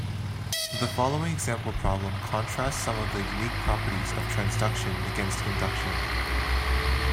The following example problem contrasts some of the unique properties of transduction against induction.